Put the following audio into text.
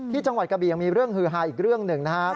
จังหวัดกระบี่ยังมีเรื่องฮือฮาอีกเรื่องหนึ่งนะครับ